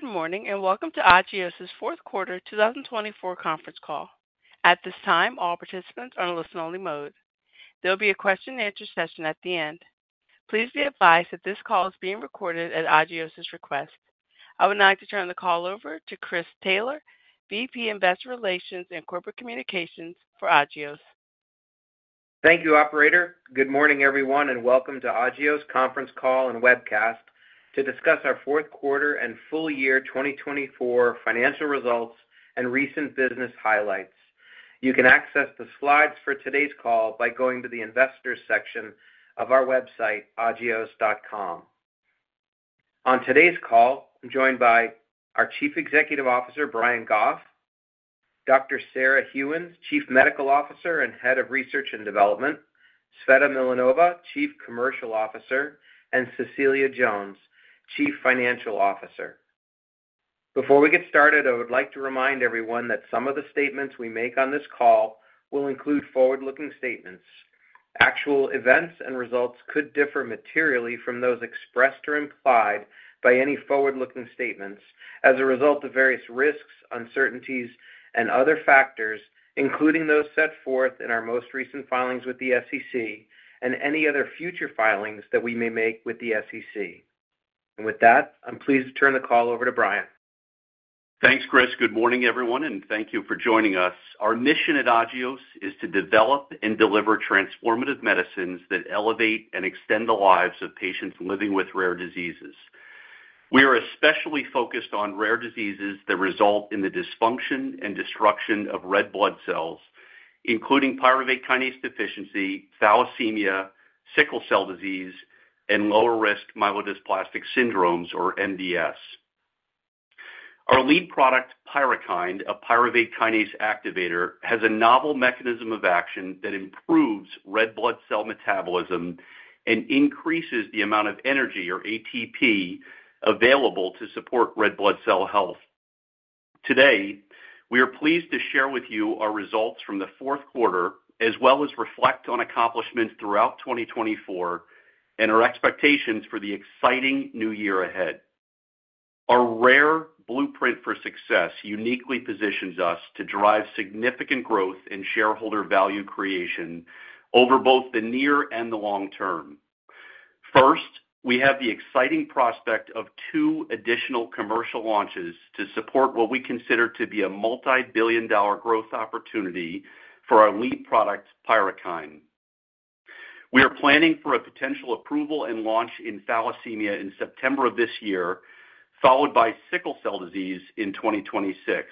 Good morning and welcome to Agios' fourth quarter 2024 conference call. At this time, all participants are in listen-only mode. There will be a question-and-answer session at the end. Please be advised that this call is being recorded at Agios' request. I would now like to turn the call over to Chris Taylor, VP Investor Relations and Corporate Communications for Agios. Thank you, Operator. Good morning, everyone, and welcome to Agios' conference call and webcast to discuss our fourth quarter and full year 2024 financial results and recent business highlights. You can access the slides for today's call by going to the Investors section of our website, agios.com. On today's call, I'm joined by our Chief Executive Officer, Brian Goff, Dr. Sarah Gheuens, Chief Medical Officer and Head of Research and Development, Tsveta Milanova, Chief Commercial Officer, and Cecilia Jones, Chief Financial Officer. Before we get started, I would like to remind everyone that some of the statements we make on this call will include forward-looking statements. Actual events and results could differ materially from those expressed or implied by any forward-looking statements as a result of various risks, uncertainties, and other factors, including those set forth in our most recent filings with the SEC and any other future filings that we may make with the SEC, and with that, I'm pleased to turn the call over to Brian. Thanks, Chris. Good morning, everyone, and thank you for joining us. Our mission at Agios is to develop and deliver transformative medicines that elevate and extend the lives of patients living with rare diseases. We are especially focused on rare diseases that result in the dysfunction and destruction of red blood cells, including pyruvate kinase deficiency, thalassemia, sickle cell disease, and lower-risk myelodysplastic syndromes, or MDS. Our lead product, Pyrukynd, a pyruvate kinase activator, has a novel mechanism of action that improves red blood cell metabolism and increases the amount of energy, or ATP, available to support red blood cell health. Today, we are pleased to share with you our results from the fourth quarter, as well as reflect on accomplishments throughout 2024 and our expectations for the exciting new year ahead. Our rare blueprint for success uniquely positions us to drive significant growth and shareholder value creation over both the near and the long term. First, we have the exciting prospect of two additional commercial launches to support what we consider to be a multi-billion-dollar growth opportunity for our lead product, Pyrukynd. We are planning for a potential approval and launch in thalassemia in September of this year, followed by sickle cell disease in 2026.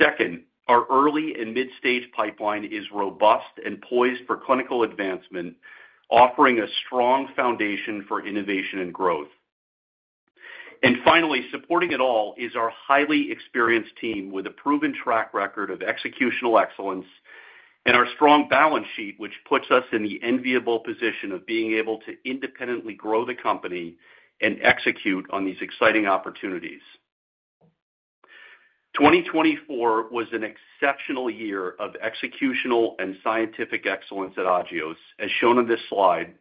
Second, our early and mid-stage pipeline is robust and poised for clinical advancement, offering a strong foundation for innovation and growth. And finally, supporting it all is our highly experienced team with a proven track record of executional excellence and our strong balance sheet, which puts us in the enviable position of being able to independently grow the company and execute on these exciting opportunities. 2024 was an exceptional year of executional and scientific excellence at Agios, as shown on this slide,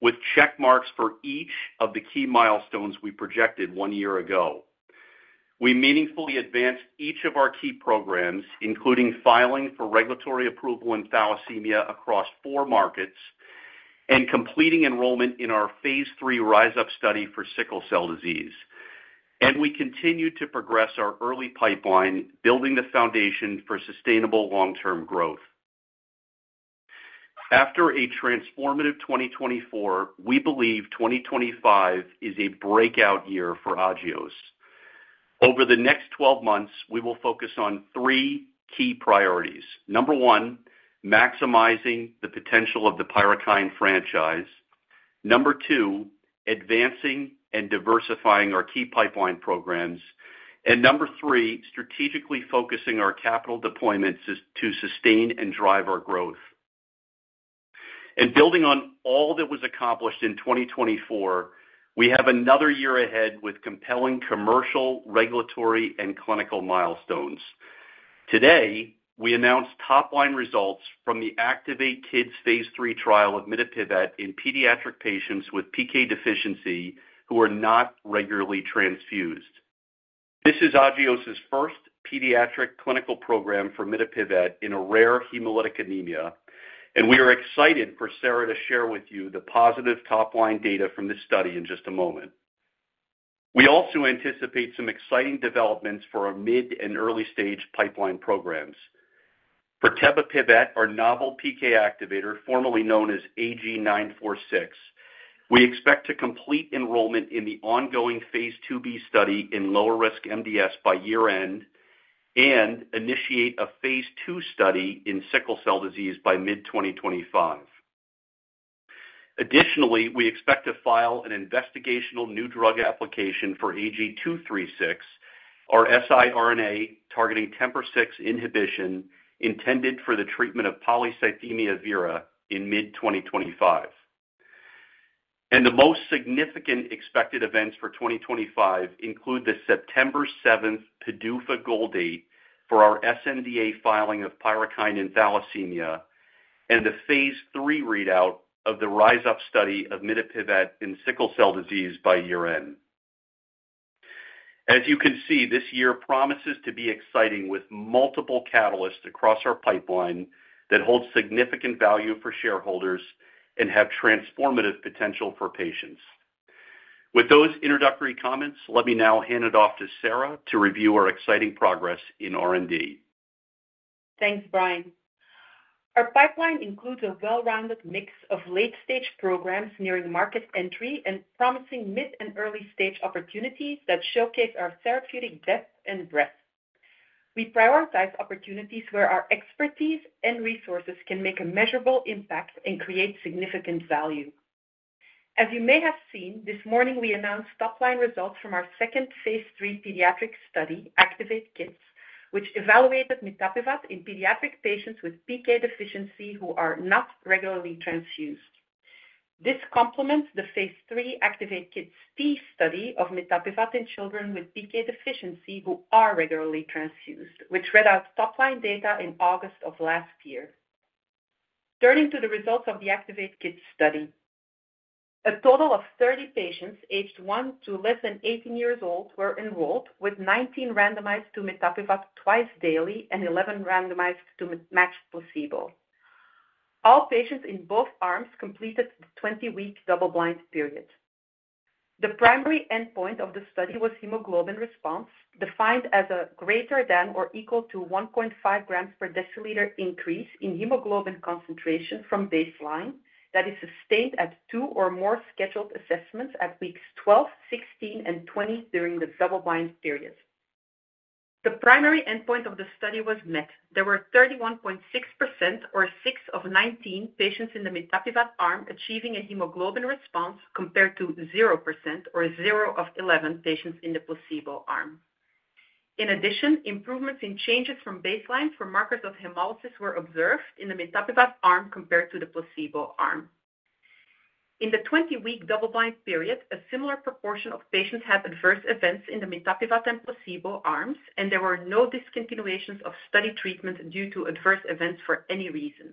with checkmarks for each of the key milestones we projected one year ago. We meaningfully advanced each of our key programs, including filing for regulatory approval in thalassemia across four markets and completing enrollment in phase III RISE UP study for sickle cell disease, and we continue to progress our early pipeline, building the foundation for sustainable long-term growth. After a transformative 2024, we believe 2025 is a breakout year for Agios. Over the next 12 months, we will focus on three key priorities. Number one, maximizing the potential of the Pyrukynd franchise. Number two, advancing and diversifying our key pipeline programs, and number three, strategically focusing our capital deployments to sustain and drive our growth. Building on all that was accomplished in 2024, we have another year ahead with compelling commercial, regulatory, and clinical milestones. Today, we announced top-line results from the ACTIVATE-Kids phase III trial of mitapivat in pediatric patients with PK deficiency who are not regularly transfused. This is Agios' first pediatric clinical program for mitapivat in a rare hemolytic anemia, and we are excited for Sarah to share with you the positive top-line data from this study in just a moment. We also anticipate some exciting developments for our mid- and early-stage pipeline programs. For tebapivat, our novel PK activator, formerly known as AG-946, we expect to complete enrollment in the ongoing phase IIb study in lower-risk MDS by year-end and initiate a phase II study in sickle cell disease by mid-2025. Additionally, we expect to file an Investigational New Drug Application for AG-236, our siRNA targeting TMPRSS6 inhibition intended for the treatment of polycythemia vera in mid-2025. And the most significant expected events for 2025 include the September 7th PDUFA goal date for our sNDA filing of Pyrukynd in thalassemia, and the phase III readout of the RISE UP study of mitapivat in sickle cell disease by year-end. As you can see, this year promises to be exciting with multiple catalysts across our pipeline that hold significant value for shareholders and have transformative potential for patients. With those introductory comments, let me now hand it off to Sarah to review our exciting progress in R&D. Thanks, Brian. Our pipeline includes a well-rounded mix of late-stage programs nearing market entry and promising mid and early-stage opportunities that showcase our therapeutic depth and breadth. We prioritize opportunities where our expertise and resources can make a measurable impact and create significant value. As you may have seen, this morning we announced top-line results from our second phase III pediatric study, ACTIVATE-Kids, which evaluated mitapivat in pediatric patients with PK deficiency who are not regularly transfused. This complements the phase III ACTIVATE-KidsT study of mitapivat in children with PK deficiency who are regularly transfused, which read out top-line data in August of last year. Turning to the results of the ACTIVATE-Kids study, a total of 30 patients aged 1 to less than 18 years old were enrolled with 19 randomized to mitapivat twice daily and 11 randomized to matched placebo. All patients in both arms completed the 20-week double-blind period. The primary endpoint of the study was hemoglobin response, defined as a greater than or equal to 1.5 g/dL increase in hemoglobin concentration from baseline that is sustained at two or more scheduled assessments at weeks 12, 16, and 20 during the double-blind period. The primary endpoint of the study was met. There were 31.6% or six of 19 patients in the mitapivat arm achieving a hemoglobin response compared to 0% or zero of 11 patients in the placebo arm. In addition, improvements in changes from baseline for markers of hemolysis were observed in the mitapivat arm compared to the placebo arm. In the 20-week double-blind period, a similar proportion of patients had adverse events in the mitapivat and placebo arms, and there were no discontinuations of study treatment due to adverse events for any reason.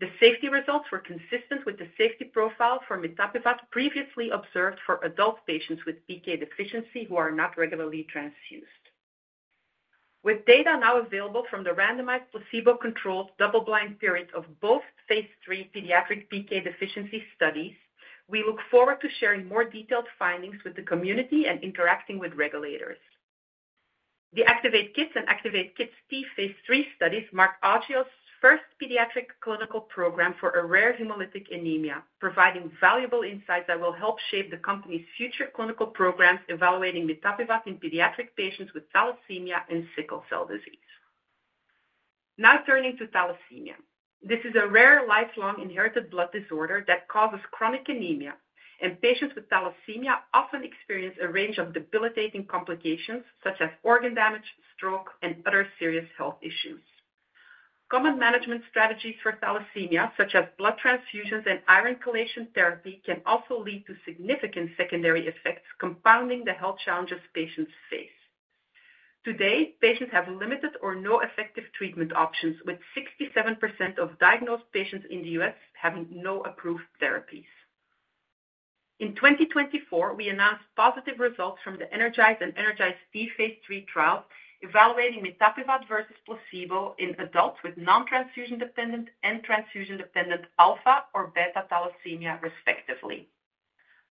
The safety results were consistent with the safety profile for mitapivat previously observed for adult patients with PK deficiency who are not regularly transfused. With data now available from the randomized placebo-controlled double-blind period of both phase III pediatric PK deficiency studies, we look forward to sharing more detailed findings with the community and interacting with regulators. The ACTIVATE-Kids and ACTIVATE-KidsT phase III studies mark Agios' first pediatric clinical program for a rare hemolytic anemia, providing valuable insights that will help shape the company's future clinical programs evaluating mitapivat in pediatric patients with thalassemia and sickle cell disease. Now turning to thalassemia. This is a rare lifelong inherited blood disorder that causes chronic anemia, and patients with thalassemia often experience a range of debilitating complications such as organ damage, stroke, and other serious health issues. Common management strategies for thalassemia, such as blood transfusions and iron chelation therapy, can also lead to significant secondary effects compounding the health challenges patients face. Today, patients have limited or no effective treatment options, with 67% of diagnosed patients in the U.S. having no approved therapies. In 2024, we announced positive results from the ENERGIZE and ENERGIZE-T phase III trials evaluating mitapivat versus placebo in adults with non-transfusion-dependent and transfusion-dependent alpha or beta thalassemia, respectively.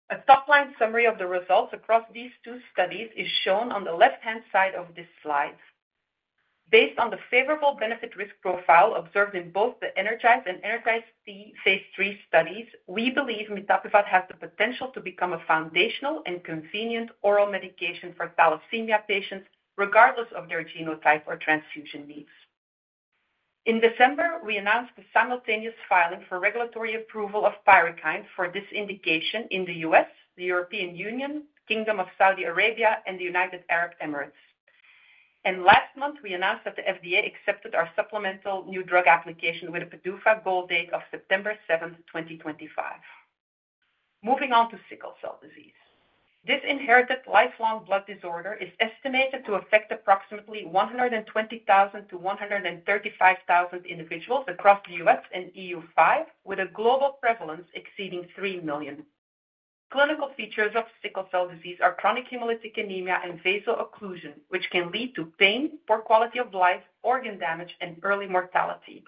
A top-line summary of the results across these two studies is shown on the left-hand side of this slide. Based on the favorable benefit-risk profile observed in both the ENERGIZE and ENERGIZE-T phase III studies, we believe mitapivat has the potential to become a foundational and convenient oral medication for thalassemia patients, regardless of their genotype or transfusion needs. In December, we announced the simultaneous filing for regulatory approval of Pyrukynd for this indication in the U.S., the European Union, Kingdom of Saudi Arabia, and the United Arab Emirates, and last month, we announced that the FDA accepted our Supplemental New Drug Application with a PDUFA goal date of September 7th, 2025. Moving on to sickle cell disease. This inherited lifelong blood disorder is estimated to affect approximately 120,000-135,000 individuals across the U.S. and EU-5, with a global prevalence exceeding 3 million. Clinical features of sickle cell disease are chronic hemolytic anemia and vaso-occlusion, which can lead to pain, poor quality of life, organ damage, and early mortality.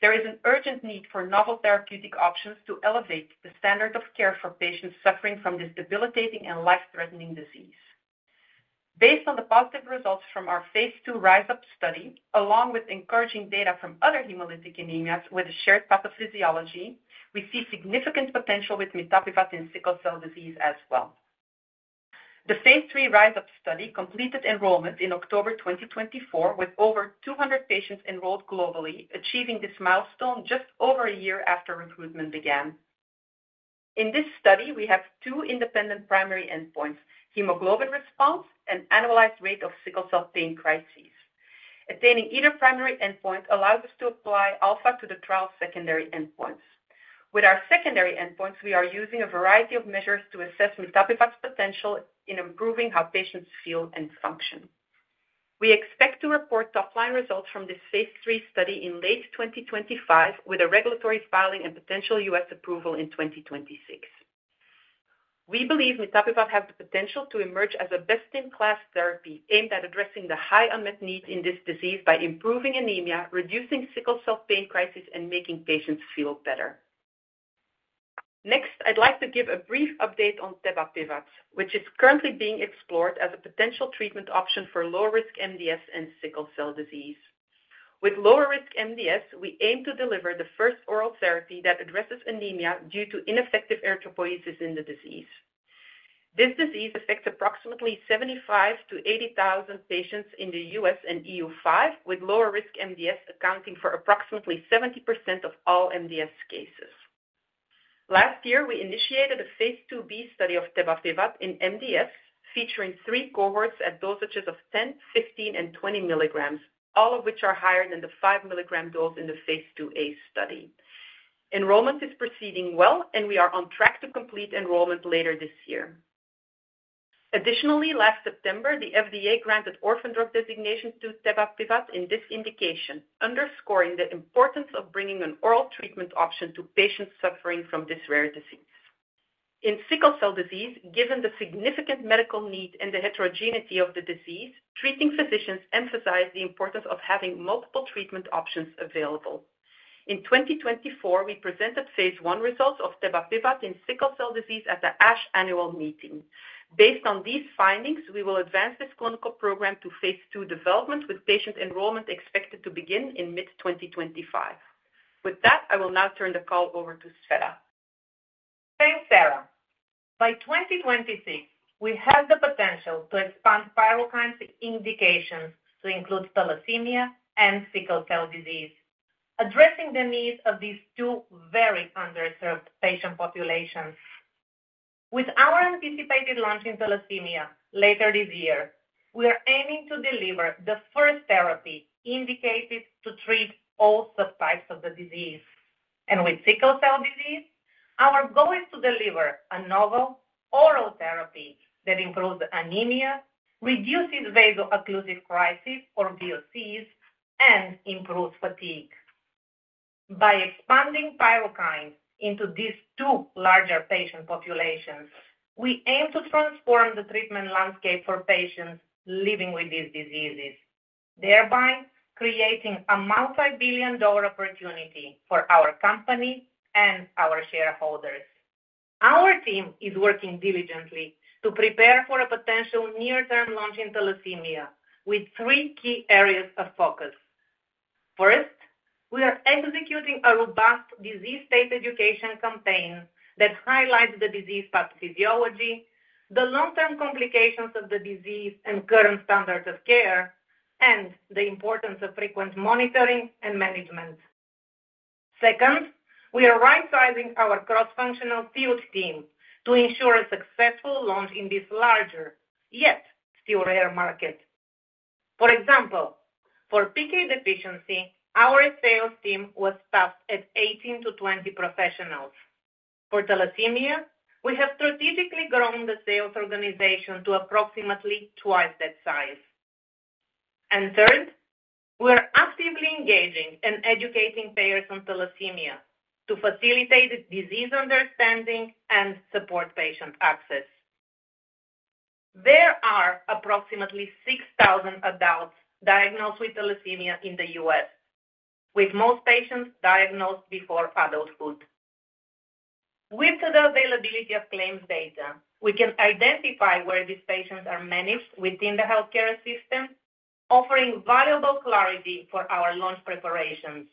There is an urgent need for novel therapeutic options to elevate the standard of care for patients suffering from this debilitating and life-threatening disease. Based on the positive results from phase II RISE UP study, along with encouraging data from other hemolytic anemias with a shared pathophysiology, we see significant potential with mitapivat in sickle cell disease as well. The phase III RISE UP study completed enrollment in October 2024, with over 200 patients enrolled globally, achieving this milestone just over a year after recruitment began. In this study, we have two independent primary endpoints: hemoglobin response and annualized rate of sickle cell pain crises. Attaining either primary endpoint allows us to apply alpha to the trial's secondary endpoints. With our secondary endpoints, we are using a variety of measures to assess mitapivat's potential in improving how patients feel and function. We expect to report top-line results from this phase III study in late 2025, with a regulatory filing and potential U.S. approval in 2026. We believe mitapivat has the potential to emerge as a best-in-class therapy aimed at addressing the high unmet needs in this disease by improving anemia, reducing sickle cell pain crises, and making patients feel better. Next, I'd like to give a brief update on tebapivat, which is currently being explored as a potential treatment option for low-risk MDS and sickle cell disease. With lower-risk MDS, we aim to deliver the first oral therapy that addresses anemia due to ineffective erythropoiesis in the disease. This disease affects approximately 75,000-80,000 patients in the U.S. and EU-5, with lower-risk MDS accounting for approximately 70% of all MDS cases. Last year, we initiated a phase II-B study of tebapivat in MDS, featuring three cohorts at dosages of 10, 15, and 20 mg, all of which are higher than the 5 mg dose in the phase II-A study. Enrollment is proceeding well, and we are on track to complete enrollment later this year. Additionally, last September, the FDA granted orphan drug designation to tebapivat in this indication, underscoring the importance of bringing an oral treatment option to patients suffering from this rare disease. In sickle cell disease, given the significant medical need and the heterogeneity of the disease, treating physicians emphasize the importance of having multiple treatment options available. In 2024, we presented phase I results of tebapivat in sickle cell disease at the ASH annual meeting. Based on these findings, we will advance this clinical program to phase II development, with patient enrollment expected to begin in mid-2025. With that, I will now turn the call over to Tsveta. Thanks, Sarah. By 2026, we have the potential to expand Pyrukynd indications to include thalassemia and sickle cell disease, addressing the needs of these two very underserved patient populations. With our anticipated launch in thalassemia later this year, we are aiming to deliver the first therapy indicated to treat all subtypes of the disease. And with sickle cell disease, our goal is to deliver a novel oral therapy that improves anemia, reduces vaso-occlusive crises, or VOCs, and improves fatigue. By expanding Pyrukynd into these two larger patient populations, we aim to transform the treatment landscape for patients living with these diseases, thereby creating a multi-billion-dollar opportunity for our company and our shareholders. Our team is working diligently to prepare for a potential near-term launch in thalassemia with three key areas of focus. First, we are executing a robust disease state education campaign that highlights the disease pathophysiology, the long-term complications of the disease, and current standards of care, and the importance of frequent monitoring and management. Second, we are right-sizing our cross-functional field team to ensure a successful launch in this larger, yet still rare market. For example, for PK deficiency, our sales team was staffed at 18-20 professionals. For thalassemia, we have strategically grown the sales organization to approximately twice that size. And third, we are actively engaging and educating payers on thalassemia to facilitate disease understanding and support patient access. There are approximately 6,000 adults diagnosed with thalassemia in the U.S., with most patients diagnosed before adulthood. With the availability of claims data, we can identify where these patients are managed within the healthcare system, offering valuable clarity for our launch preparations.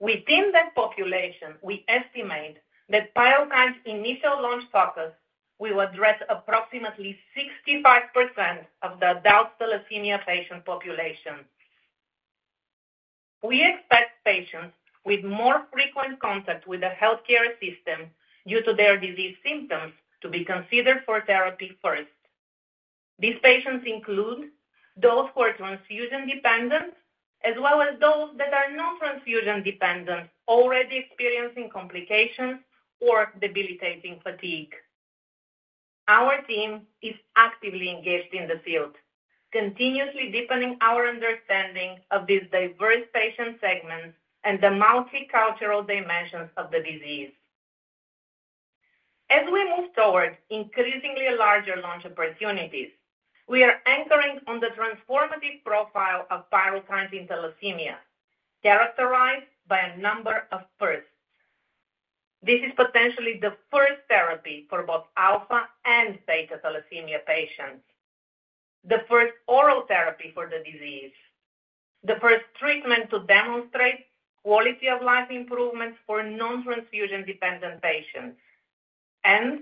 Within that population, we estimate that Pyrukynd's initial launch focus will address approximately 65% of the adult thalassemia patient population. We expect patients with more frequent contact with the healthcare system due to their disease symptoms to be considered for therapy first. These patients include those who are transfusion-dependent, as well as those that are non-transfusion-dependent, already experiencing complications or debilitating fatigue. Our team is actively engaged in the field, continuously deepening our understanding of these diverse patient segments and the multicultural dimensions of the disease. As we move toward increasingly larger launch opportunities, we are anchoring on the transformative profile of Pyrukynd in thalassemia, characterized by a number of firsts. This is potentially the first therapy for both alpha and beta thalassemia patients, the first oral therapy for the disease, the first treatment to demonstrate quality-of-life improvements for non-transfusion-dependent patients, and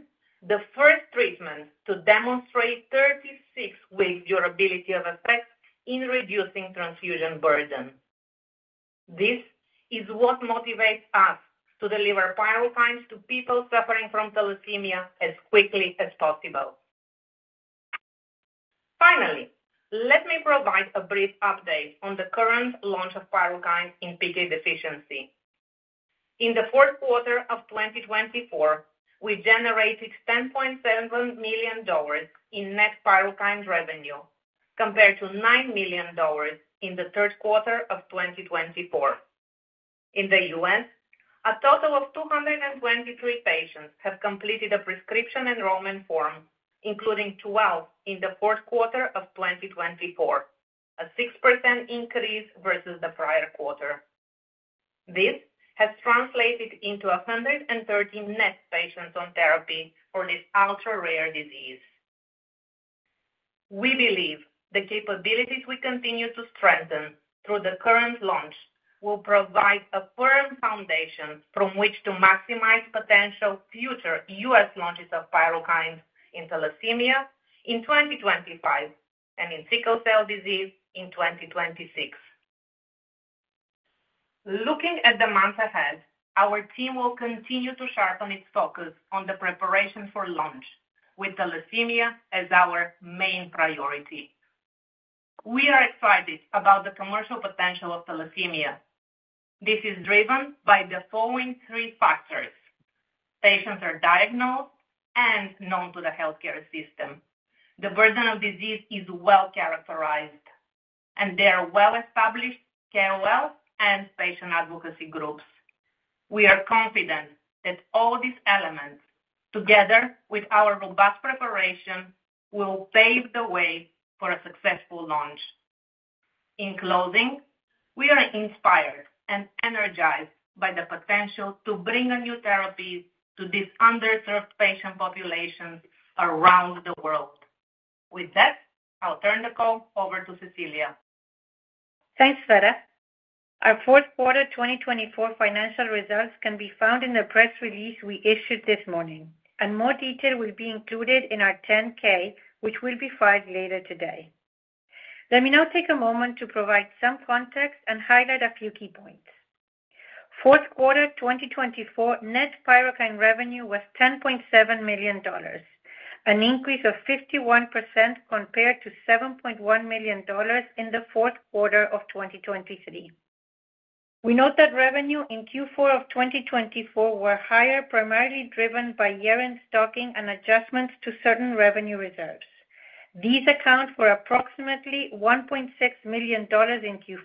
the first treatment to demonstrate 36-week durability of effect in reducing transfusion burden. This is what motivates us to deliver Pyrukynd to people suffering from thalassemia as quickly as possible. Finally, let me provide a brief update on the current launch of Pyrukynd in PK deficiency. In the fourth quarter of 2024, we generated $10.7 million in net Pyrukynd revenue, compared to $9 million in the third quarter of 2024. In the U.S., a total of 223 patients have completed a prescription enrollment form, including 12 in the fourth quarter of 2024, a 6% increase versus the prior quarter. This has translated into 130 net patients on therapy for this ultra-rare disease. We believe the capabilities we continue to strengthen through the current launch will provide a firm foundation from which to maximize potential future U.S. launches of Pyrukynd in thalassemia in 2025 and in sickle cell disease in 2026. Looking at the month ahead, our team will continue to sharpen its focus on the preparation for launch, with thalassemia as our main priority. We are excited about the commercial potential of thalassemia. This is driven by the following three factors: patients are diagnosed and known to the healthcare system, the burden of disease is well characterized, and there are well-established KOLs and patient advocacy groups. We are confident that all these elements, together with our robust preparation, will pave the way for a successful launch. In closing, we are inspired and energized by the potential to bring a new therapy to these underserved patient populations around the world. With that, I'll turn the call over to Cecilia. Thanks, Tsveta. Our fourth quarter 2024 financial results can be found in the press release we issued this morning, and more detail will be included in our 10-K, which will be filed later today. Let me now take a moment to provide some context and highlight a few key points. Fourth quarter 2024 net Pyrukynd revenue was $10.7 million, an increase of 51% compared to $7.1 million in the fourth quarter of 2023. We note that revenue in Q4 of 2024 was higher, primarily driven by year-end stocking and adjustments to certain revenue reserves. These account for approximately $1.6 million in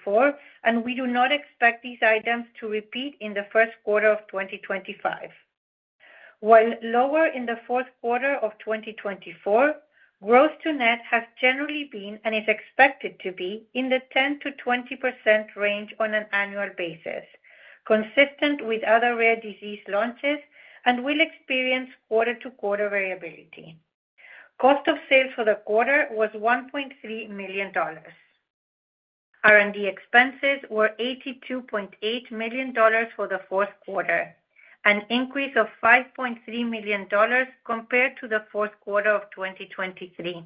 Q4, and we do not expect these items to repeat in the first quarter of 2025. While lower in the fourth quarter of 2024, gross-to-net has generally been and is expected to be in the 10%-20% range on an annual basis, consistent with other rare disease launches, and will experience quarter-to-quarter variability. Cost of sales for the quarter was $1.3 million. R&D expenses were $82.8 million for the fourth quarter, an increase of $5.3 million compared to the fourth quarter of 2023.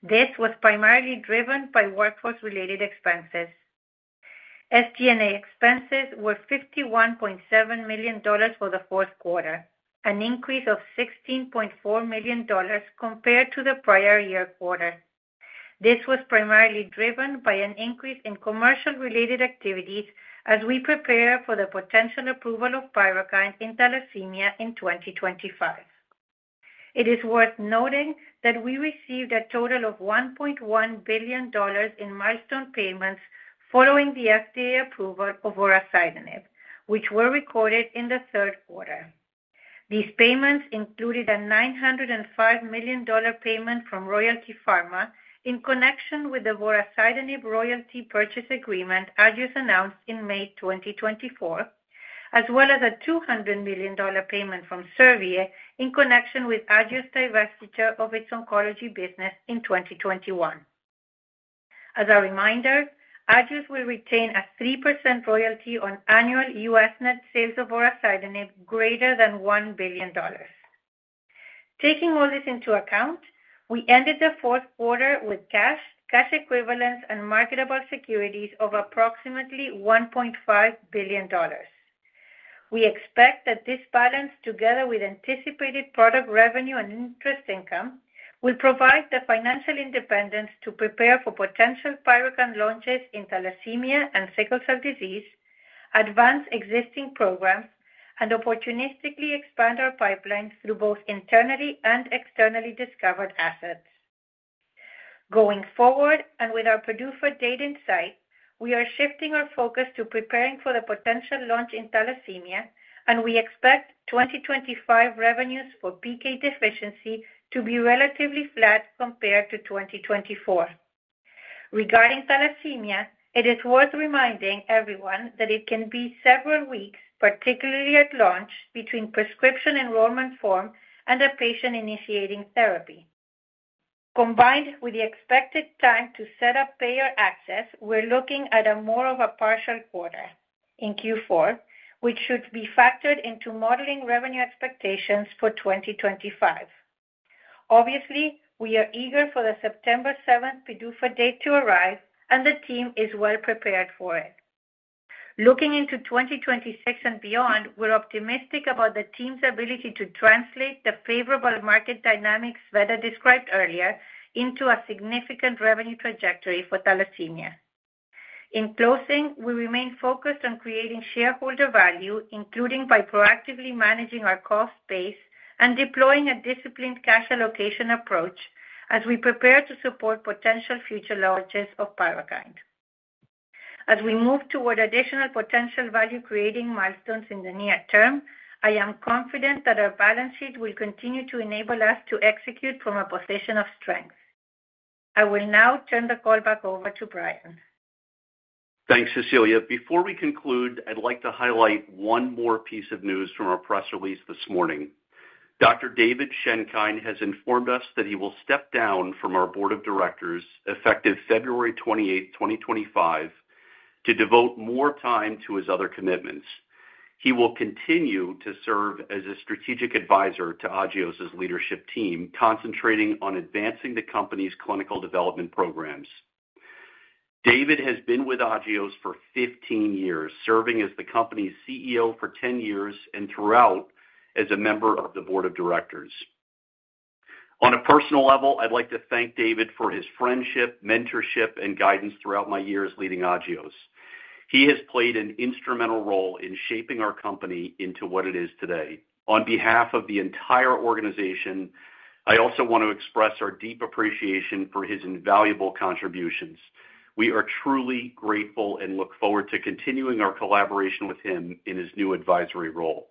This was primarily driven by workforce-related expenses. SG&A expenses were $51.7 million for the fourth quarter, an increase of $16.4 million compared to the prior year quarter. This was primarily driven by an increase in commercial-related activities as we prepare for the potential approval of Pyrukynd in thalassemia in 2025. It is worth noting that we received a total of $1.1 billion in milestone payments following the FDA approval of vorasidenib, which were recorded in the third quarter. These payments included a $905 million payment from Royalty Pharma in connection with the vorasidenib royalty purchase agreement Agios announced in May 2024, as well as a $200 million payment from Servier in connection with Agios' divestiture of its oncology business in 2021. As a reminder, Agios will retain a 3% royalty on annual U.S. net sales of vorasidenib greater than $1 billion. Taking all this into account, we ended the fourth quarter with cash, cash equivalents, and marketable securities of approximately $1.5 billion. We expect that this balance, together with anticipated product revenue and interest income, will provide the financial independence to prepare for potential Pyrukynd launches in thalassemia and sickle cell disease, advance existing programs, and opportunistically expand our pipeline through both internally and externally discovered assets. Going forward, and with our PDUFA data in sight, we are shifting our focus to preparing for the potential launch in thalassemia, and we expect 2025 revenues for PK deficiency to be relatively flat compared to 2024. Regarding thalassemia, it is worth reminding everyone that it can be several weeks, particularly at launch, between prescription enrollment form and a patient initiating therapy. Combined with the expected time to set up payer access, we're looking at more of a partial quarter in Q4, which should be factored into modeling revenue expectations for 2025. Obviously, we are eager for the September 7th PDUFA date to arrive, and the team is well prepared for it. Looking into 2026 and beyond, we're optimistic about the team's ability to translate the favorable market dynamics Tsveta described earlier into a significant revenue trajectory for thalassemia. In closing, we remain focused on creating shareholder value, including by proactively managing our cost base and deploying a disciplined cash allocation approach as we prepare to support potential future launches of Pyrukynd. As we move toward additional potential value-creating milestones in the near term, I am confident that our balance sheet will continue to enable us to execute from a position of strength. I will now turn the call back over to Brian. Thanks, Cecilia. Before we conclude, I'd like to highlight one more piece of news from our press release this morning. Dr. David Schenkein has informed us that he will step down from our board of directors effective February 28, 2025, to devote more time to his other commitments. He will continue to serve as a strategic advisor to Agios' leadership team, concentrating on advancing the company's clinical development programs. David has been with Agios for 15 years, serving as the company's CEO for 10 years and throughout as a member of the board of directors. On a personal level, I'd like to thank David for his friendship, mentorship, and guidance throughout my years leading Agios. He has played an instrumental role in shaping our company into what it is today. On behalf of the entire organization, I also want to express our deep appreciation for his invaluable contributions. We are truly grateful and look forward to continuing our collaboration with him in his new advisory role.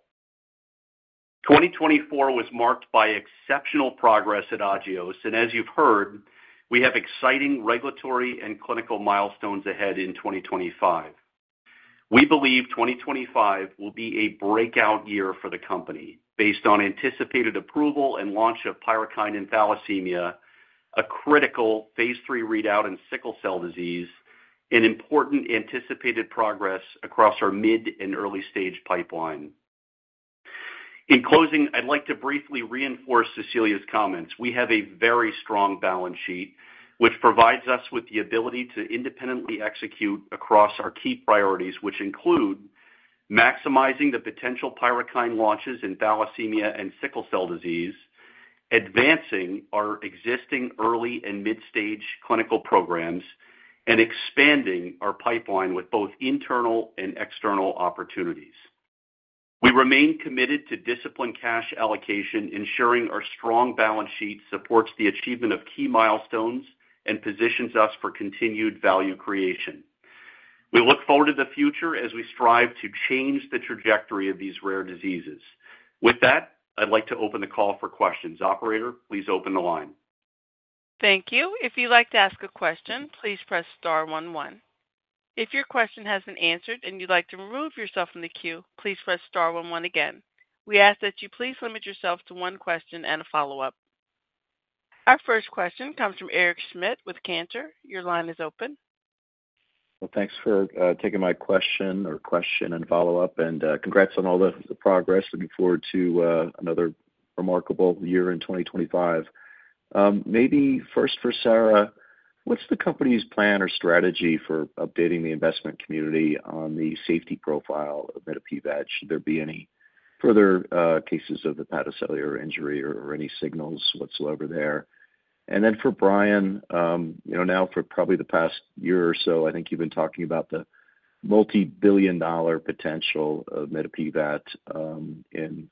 2024 was marked by exceptional progress at Agios, and as you've heard, we have exciting regulatory and clinical milestones ahead in 2025. We believe 2025 will be a breakout year for the company based on anticipated approval and launch of Pyrukynd in thalassemia, a critical phase III readout in sickle cell disease, and important anticipated progress across our mid and early-stage pipeline. In closing, I'd like to briefly reinforce Cecilia's comments. We have a very strong balance sheet, which provides us with the ability to independently execute across our key priorities, which include maximizing the potential Pyrukynd launches in thalassemia and sickle cell disease, advancing our existing early and mid-stage clinical programs, and expanding our pipeline with both internal and external opportunities. We remain committed to disciplined cash allocation, ensuring our strong balance sheet supports the achievement of key milestones and positions us for continued value creation. We look forward to the future as we strive to change the trajectory of these rare diseases. With that, I'd like to open the call for questions. Operator, please open the line. Thank you. If you'd like to ask a question, please press star one one. If your question has been answered and you'd like to remove yourself from the queue, please press star one one again. We ask that you please limit yourself to one question and a follow-up. Our first question comes from Eric Schmidt with Cantor. Your line is open. Thanks for taking my question and follow-up, and congrats on all the progress. Looking forward to another remarkable year in 2025. Maybe first for Sarah, what's the company's plan or strategy for updating the investment community on the safety profile of mitapivat? Should there be any further cases of hepatocellular injury or any signals whatsoever there? And then for Brian, now for probably the past year or so, I think you've been talking about the multi-billion-dollar potential of mitapivat in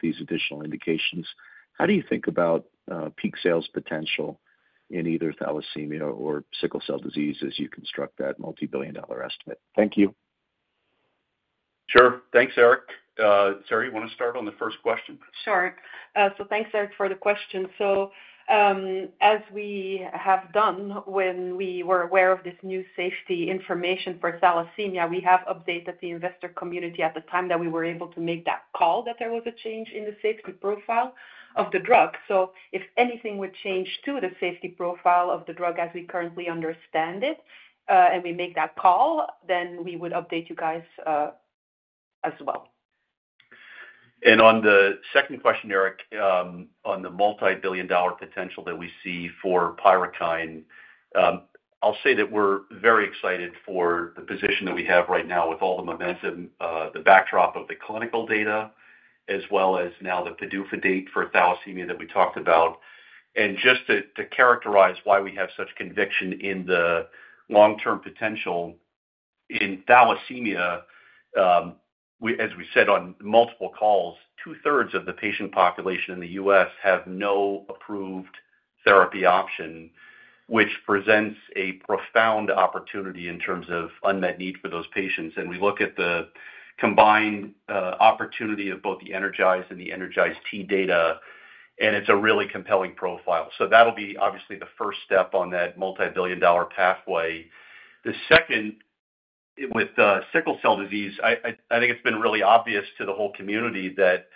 these additional indications. How do you think about peak sales potential in either thalassemia or sickle cell disease as you construct that multi-billion-dollar estimate? Thank you. Sure. Thanks, Eric. Sarah, you want to start on the first question? Sure. So thanks, Eric, for the question. So as we have done when we were aware of this new safety information for thalassemia, we have updated the investor community at the time that we were able to make that call that there was a change in the safety profile of the drug. So if anything would change to the safety profile of the drug as we currently understand it and we make that call, then we would update you guys as well. And on the second question, Eric, on the multi-billion dollar potential that we see for Pyrukynd, I'll say that we're very excited for the position that we have right now with all the momentum, the backdrop of the clinical data, as well as now the PDUFA date for thalassemia that we talked about. And just to characterize why we have such conviction in the long-term potential in thalassemia, as we said on multiple calls, two-thirds of the patient population in the U.S. have no approved therapy option, which presents a profound opportunity in terms of unmet need for those patients. And we look at the combined opportunity of both the ENERGIZE and the ENERGIZE-T data, and it's a really compelling profile. So that'll be obviously the first step on that multi-billion dollar pathway. The second, with sickle cell disease, I think it's been really obvious to the whole community that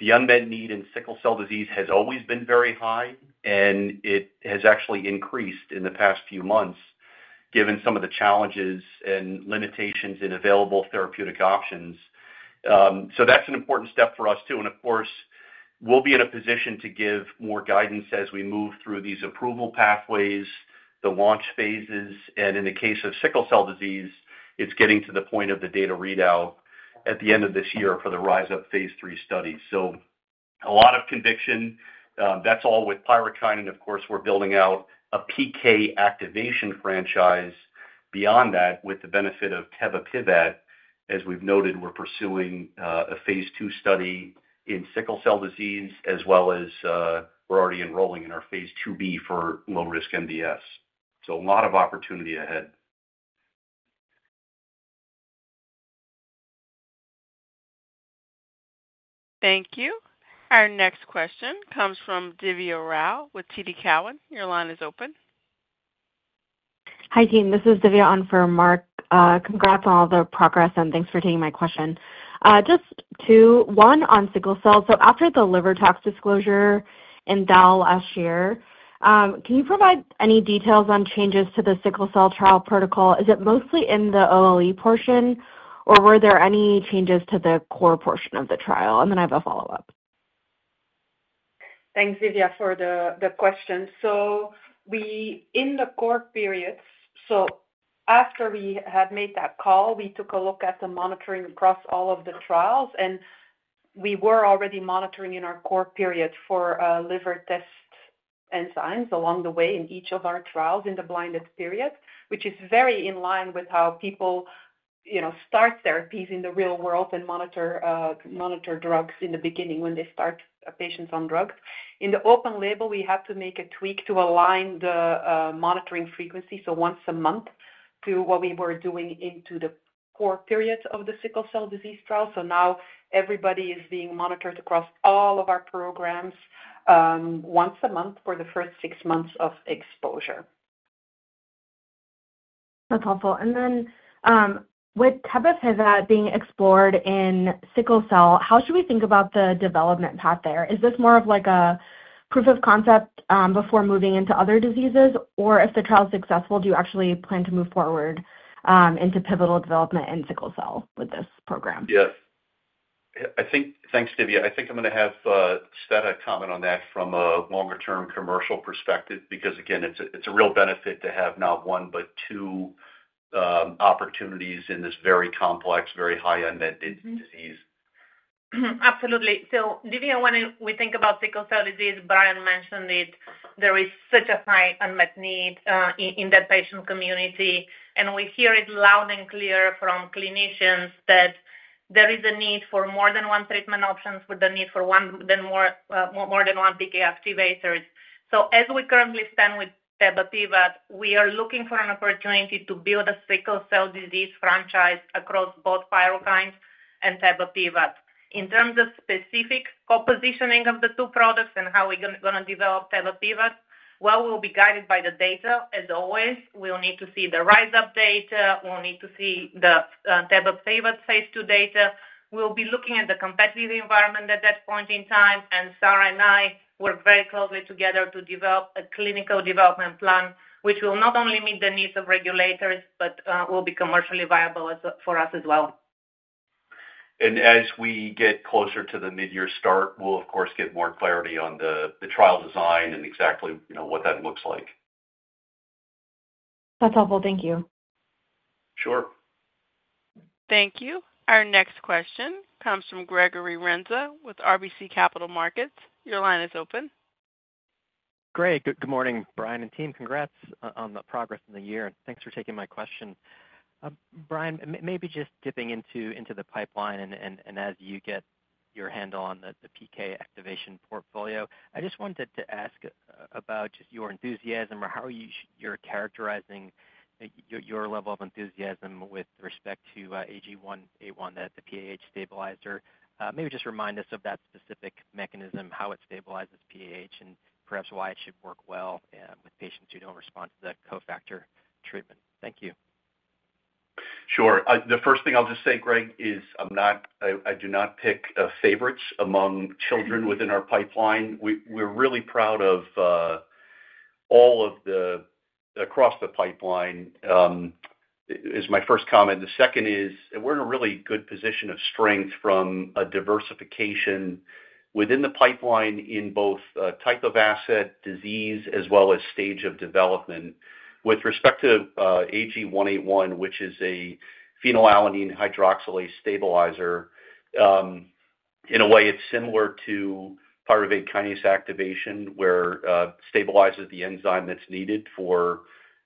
the unmet need in sickle cell disease has always been very high, and it has actually increased in the past few months given some of the challenges and limitations in available therapeutic options. So that's an important step for us too. And of course, we'll be in a position to give more guidance as we move through these approval pathways, the launch phases. And in the case of sickle cell disease, it's getting to the point of the data readout at the end of this year for the RISE UP phase III studies. So a lot of conviction. That's all with Pyrukynd. And of course, we're building out a PK activation franchise beyond that with the benefit of tebapivat. As we've noted, we're pursuing a phase II study in sickle cell disease, as well as we're already enrolling in our phase IIb for low-risk MDS. So a lot of opportunity ahead. Thank you. Our next question comes from Divya Rao with TD Cowen. Your line is open. Hi, team. This is Divya on for Mark. Congrats on all the progress, and thanks for taking my question. Just two. One on sickle cell. So after the liver tox disclosure in thal last year, can you provide any details on changes to the sickle cell trial protocol? Is it mostly in the OLE portion, or were there any changes to the core portion of the trial? And then I have a follow-up. Thanks, Divya, for the question. So in the core period, so after we had made that call, we took a look at the monitoring across all of the trials, and we were already monitoring in our core period for liver test enzymes along the way in each of our trials in the blinded period, which is very in line with how people start therapies in the real world and monitor drugs in the beginning when they start patients on drugs. In the open label, we had to make a tweak to align the monitoring frequency, so once a month, to what we were doing into the core period of the sickle cell disease trial. So now everybody is being monitored across all of our programs once a month for the first six months of exposure. That's helpful. And then with tebapivat being explored in sickle cell, how should we think about the development path there? Is this more of a proof of concept before moving into other diseases? Or if the trial's successful, do you actually plan to move forward into pivotal development in sickle cell with this program? Yes. Thanks, Divya. I think I'm going to have Tsveta comment on that from a longer-term commercial perspective because, again, it's a real benefit to have not one, but two opportunities in this very complex, very high unmet disease. Absolutely, so Divya, when we think about sickle cell disease, Brian mentioned it, there is such a high unmet need in the patient community, and we hear it loud and clear from clinicians that there is a need for more than one treatment option with the need for more than one PK activators, so as we currently stand with tebapivat, we are looking for an opportunity to build a sickle cell disease franchise across both Pyrukynd and tebapivat. In terms of specific co-positioning of the two products and how we're going to develop tebapivat, well, we'll be guided by the data. As always, we'll need to see the RISE UP data. We'll need to see the tebapivat phase II data. We'll be looking at the competitive environment at that point in time. Sarah and I work very closely together to develop a clinical development plan, which will not only meet the needs of regulators, but will be commercially viable for us as well. As we get closer to the mid-year start, we'll, of course, get more clarity on the trial design and exactly what that looks like. That's helpful. Thank you. Sure. Thank you. Our next question comes from Gregory Renza with RBC Capital Markets. Your line is open. Great. Good morning, Brian and team. Congrats on the progress in the year. And thanks for taking my question. Brian, maybe just dipping into the pipeline and as you get your handle on the PK activation portfolio, I just wanted to ask about just your enthusiasm or how you're characterizing your level of enthusiasm with respect to AG-181, the PAH stabilizer. Maybe just remind us of that specific mechanism, how it stabilizes PAH, and perhaps why it should work well with patients who don't respond to the cofactor treatment. Thank you. Sure. The first thing I'll just say, Greg, is I do not pick favorites among children within our pipeline. We're really proud of all of the across the pipeline is my first comment. The second is we're in a really good position of strength from a diversification within the pipeline in both type of asset, disease, as well as stage of development. With respect to AG-181, which is a phenylalanine hydroxylase stabilizer, in a way, it's similar to pyruvate kinase activation where it stabilizes the enzyme that's needed for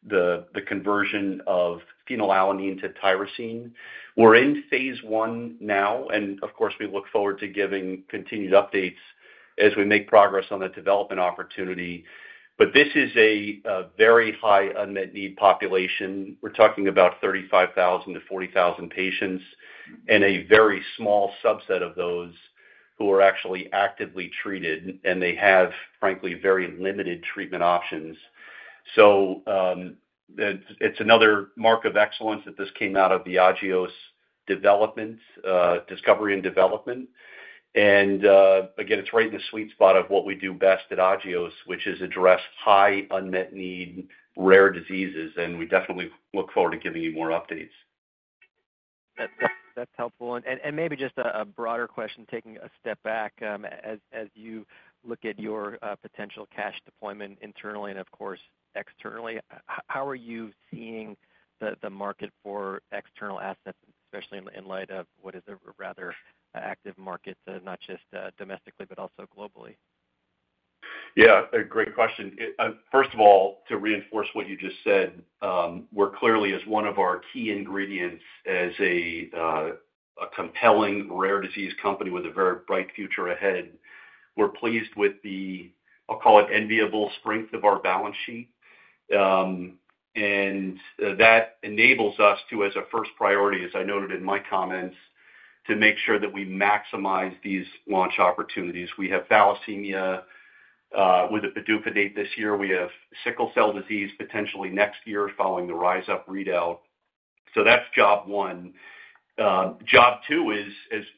the conversion of phenylalanine to tyrosine. We're in phase I now. And of course, we look forward to giving continued updates as we make progress on the development opportunity. But this is a very high unmet need population. We're talking about 35,000-40,000 patients and a very small subset of those who are actually actively treated, and they have, frankly, very limited treatment options. So it's another mark of excellence that this came out of the Agios discovery and development. And again, it's right in the sweet spot of what we do best at Agios, which is address high unmet need rare diseases. And we definitely look forward to giving you more updates. That's helpful, and maybe just a broader question, taking a step back, as you look at your potential cash deployment internally and, of course, externally, how are you seeing the market for external assets, especially in light of what is a rather active market, not just domestically, but also globally? Yeah. Great question. First of all, to reinforce what you just said, we're clearly, as one of our key ingredients, as a compelling rare disease company with a very bright future ahead, we're pleased with the, I'll call it, enviable strength of our balance sheet, and that enables us to, as a first priority, as I noted in my comments, to make sure that we maximize these launch opportunities. We have thalassemia with the PDUFA date this year. We have sickle cell disease potentially next year following the RISE UP readout, so that's job one. Job two is,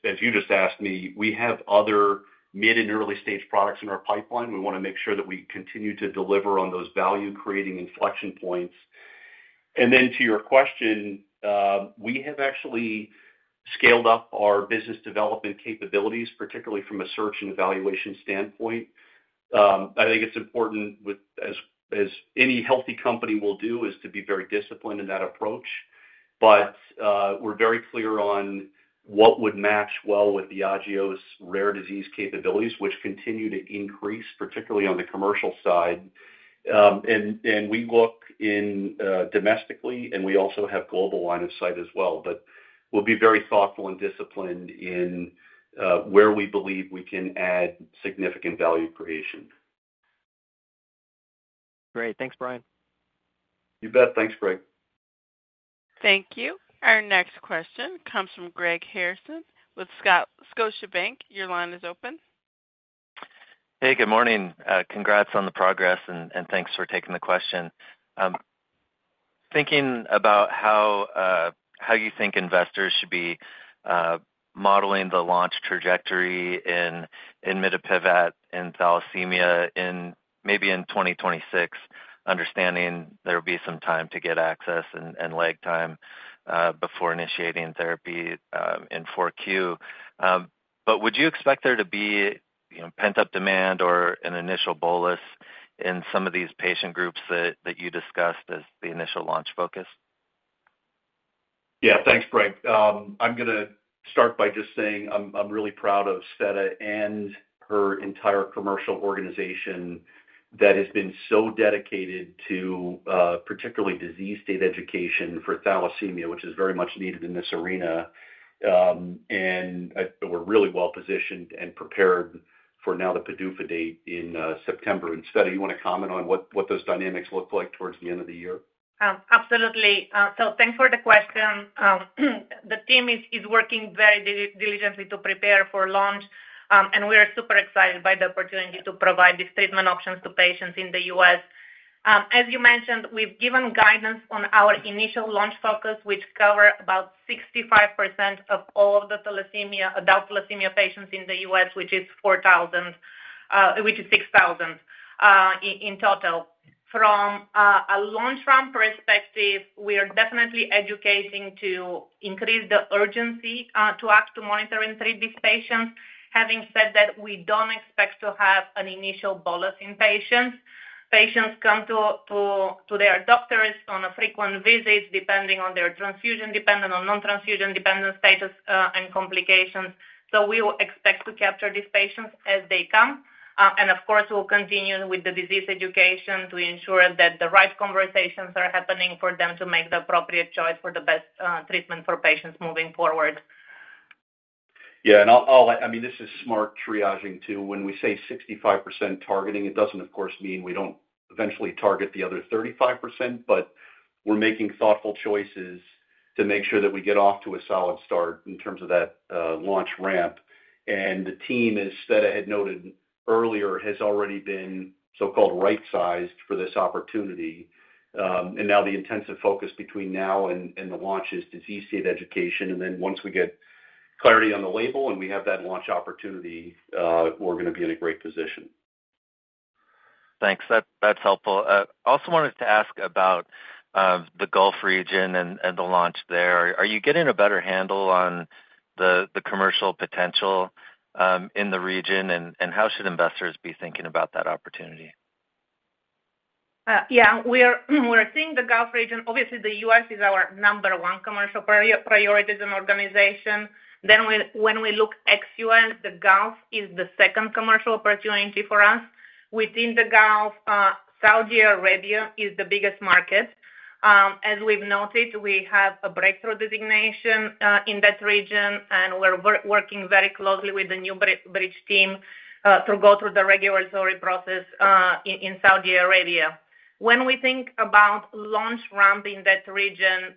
as you just asked me, we have other mid and early-stage products in our pipeline. We want to make sure that we continue to deliver on those value-creating inflection points, and then to your question, we have actually scaled up our business development capabilities, particularly from a search and evaluation standpoint. I think it's important, as any healthy company will do, to be very disciplined in that approach. But we're very clear on what would match well with the Agios rare disease capabilities, which continue to increase, particularly on the commercial side. And we look domestically, and we also have global line of sight as well. But we'll be very thoughtful and disciplined in where we believe we can add significant value creation. Great. Thanks, Brian. You bet. Thanks, Greg. Thank you. Our next question comes from Greg Harrison with Scotiabank. Your line is open. Hey, good morning. Congrats on the progress, and thanks for taking the question. Thinking about how you think investors should be modeling the launch trajectory in mitapivat and thalassemia in maybe 2026, understanding there will be some time to get access and lag time before initiating therapy in Q4, but would you expect there to be pent-up demand or an initial bolus in some of these patient groups that you discussed as the initial launch focus? Yeah. Thanks, Greg. I'm going to start by just saying I'm really proud of Tsveta and her entire commercial organization that has been so dedicated to particularly disease state education for thalassemia, which is very much needed in this arena. And we're really well-positioned and prepared for now the PDUFA date in September. And Tsveta, you want to comment on what those dynamics look like towards the end of the year? Absolutely. So thanks for the question. The team is working very diligently to prepare for launch, and we are super excited by the opportunity to provide these treatment options to patients in the U.S. As you mentioned, we've given guidance on our initial launch focus, which covered about 65% of all of the thalassemia patients in the U.S., which is 6,000 in total. From a long-term perspective, we are definitely educating to increase the urgency to act to monitor and treat these patients, having said that we don't expect to have an initial bolus in patients. Patients come to their doctors on a frequent visit, depending on their transfusion, depending on non-transfusion status and complications. So we will expect to capture these patients as they come. Of course, we'll continue with the disease education to ensure that the right conversations are happening for them to make the appropriate choice for the best treatment for patients moving forward. Yeah. And I mean, this is smart triaging too. When we say 65% targeting, it doesn't, of course, mean we don't eventually target the other 35%, but we're making thoughtful choices to make sure that we get off to a solid start in terms of that launch ramp. And the team, as Tsveta had noted earlier, has already been so-called right-sized for this opportunity. And now the intensive focus between now and the launch is disease state education. And then once we get clarity on the label and we have that launch opportunity, we're going to be in a great position. Thanks. That's helpful. I also wanted to ask about the Gulf region and the launch there. Are you getting a better handle on the commercial potential in the region, and how should investors be thinking about that opportunity? Yeah. We are seeing the Gulf region. Obviously, the U.S. is our number one commercial priorities and organization. Then when we look ex-U.S., the Gulf is the second commercial opportunity for us. Within the Gulf, Saudi Arabia is the biggest market. As we've noted, we have a breakthrough designation in that region, and we're working very closely with the NewBridge team to go through the regulatory process in Saudi Arabia. When we think about launch ramp in that region,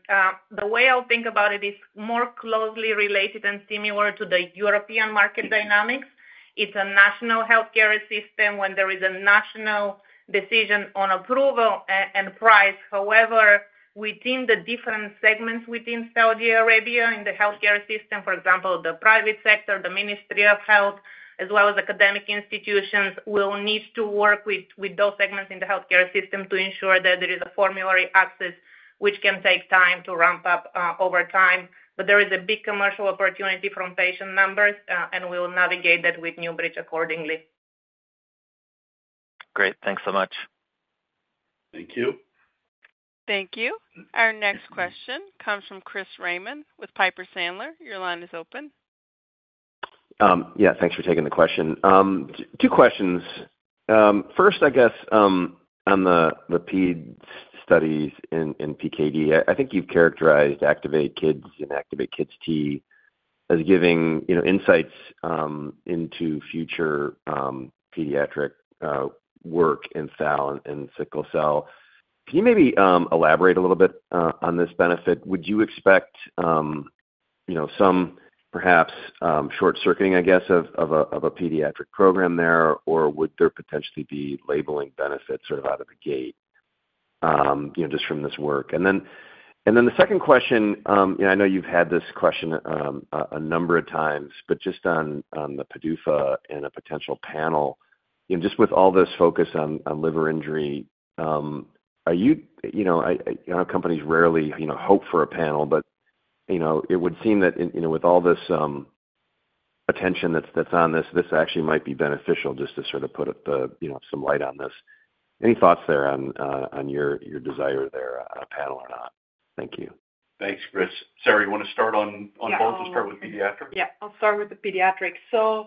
the way I'll think about it is more closely related and similar to the European market dynamics. It's a national healthcare system when there is a national decision on approval and price. However, within the different segments within Saudi Arabia in the healthcare system, for example, the private sector, the Ministry of Health, as well as academic institutions, will need to work with those segments in the healthcare system to ensure that there is a formulary access, which can take time to ramp up over time. But there is a big commercial opportunity from patient numbers, and we will navigate that with NewBridge accordingly. Great. Thanks so much. Thank you. Thank you. Our next question comes from Chris Raymond with Piper Sandler. Your line is open. Yeah. Thanks for taking the question. Two questions. First, I guess, on the PED studies in PKD, I think you've characterized ACTIVATE-Kids and ACTIVATE-KidsT as giving insights into future pediatric work in thal and sickle cell. Can you maybe elaborate a little bit on this benefit? Would you expect some, perhaps, short-circuiting, I guess, of a pediatric program there, or would there potentially be labeling benefits sort of out of the gate just from this work? And then the second question, I know you've had this question a number of times, but just on the PDUFA and a potential panel, just with all this focus on liver injury, our companies rarely hope for a panel, but it would seem that with all this attention that's on this, this actually might be beneficial just to sort of put some light on this. Any thoughts there on your desire there on a panel or not? Thank you. Thanks, Chris. Sarah, you want to start on both or start with pediatric? Yeah. I'll start with the pediatric. So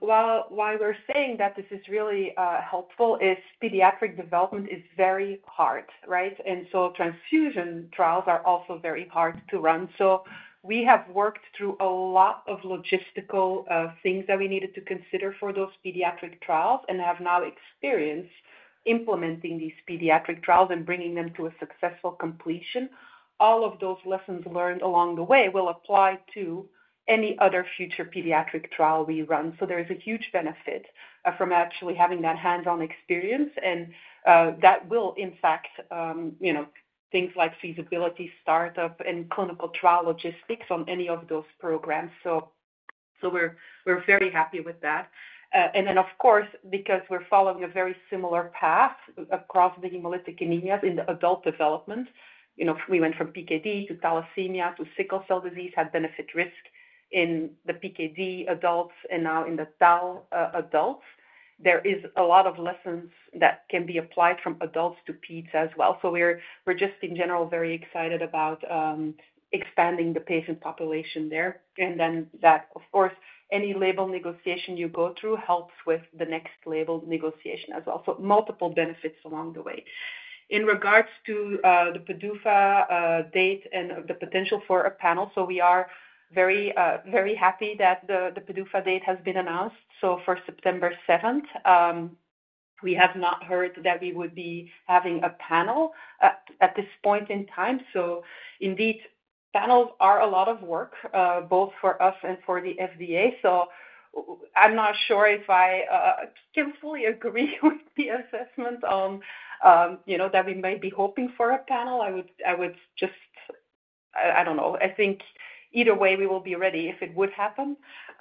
while we're saying that this is really helpful, pediatric development is very hard, right? And so transfusion trials are also very hard to run. So we have worked through a lot of logistical things that we needed to consider for those pediatric trials and have now experienced implementing these pediatric trials and bringing them to a successful completion. All of those lessons learned along the way will apply to any other future pediatric trial we run. So there is a huge benefit from actually having that hands-on experience, and that will impact things like feasibility, startup, and clinical trial logistics on any of those programs. So we're very happy with that. And then, of course, because we're following a very similar path across the hemolytic anemia in the adult development, we went from PKD to thalassemia to sickle cell disease, had benefit-risk in the PKD adults and now in the thal adults. There are a lot of lessons that can be applied from adults to PEDs as well. So we're just, in general, very excited about expanding the patient population there. And then that, of course, any label negotiation you go through helps with the next label negotiation as well. So multiple benefits along the way. In regards to the PDUFA date and the potential for a panel, so we are very happy that the PDUFA date has been announced. So for September 7th, we have not heard that we would be having a panel at this point in time. So indeed, panels are a lot of work, both for us and for the FDA. So I'm not sure if I can fully agree with the assessment that we may be hoping for a panel. I would just, I don't know. I think either way, we will be ready if it would happen.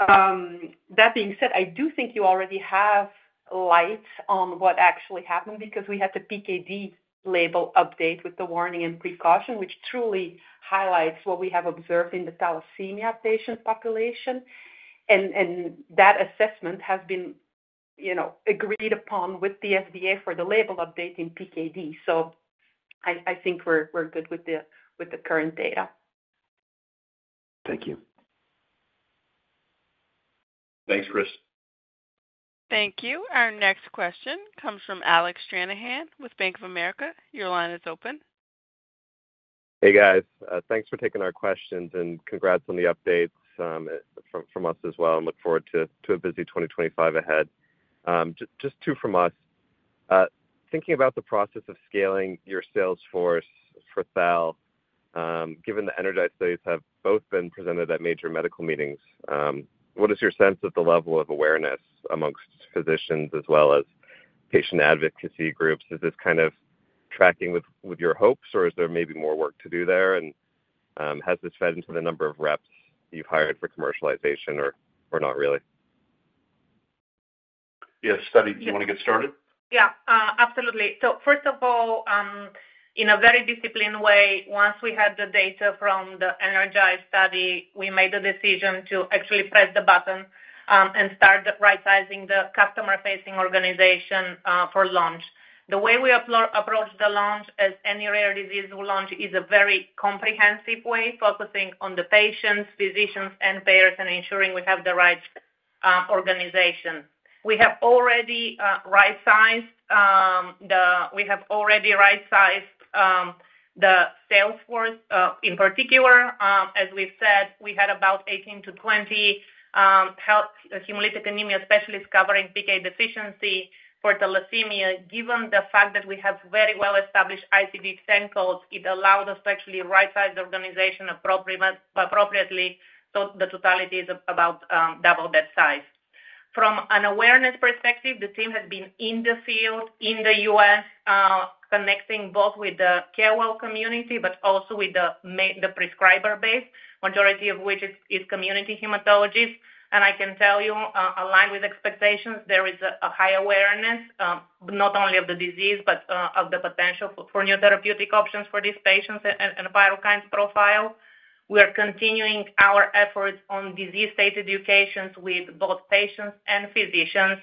That being said, I do think you already shed light on what actually happened because we had the PKD label update with the warning and precaution, which truly highlights what we have observed in the thalassemia patient population. And that assessment has been agreed upon with the FDA for the label update in PKD. So I think we're good with the current data. Thank you. Thanks, Chris. Thank you. Our next question comes from Alec Stranahan with Bank of America. Your line is open. Hey, guys. Thanks for taking our questions, and congrats on the updates from us as well, and look forward to a busy 2025 ahead. Just two from us. Thinking about the process of scaling your sales force for thal, given the ENERGIZE studies have both been presented at major medical meetings, what is your sense of the level of awareness among physicians as well as patient advocacy groups? Is this kind of tracking with your hopes, or is there maybe more work to do there? And has this fed into the number of reps you've hired for commercialization or not really? Yes, Tsveta, do you want to get started? Yeah. Absolutely. So first of all, in a very disciplined way, once we had the data from the ENERGIZE study, we made the decision to actually press the button and start right-sizing the customer-facing organization for launch. The way we approach the launch as any rare disease launch is a very comprehensive way, focusing on the patients, physicians, and payers, and ensuring we have the right organization. We have already right-sized the sales force in particular. As we've said, we had about 18-20 hemolytic anemia specialists covering PK deficiency for thalassemia. Given the fact that we have very well-established ICD-10 codes, it allowed us to actually right-size the organization appropriately. So the totality is about double that size. From an awareness perspective, the team has been in the field in the U.S., connecting both with the KOL community, but also with the prescriber base, majority of which is community hematologists. And I can tell you, aligned with expectations, there is a high awareness not only of the disease, but of the potential for new therapeutic options for these patients and a Pyrukynd's profile. We are continuing our efforts on disease state educations with both patients and physicians,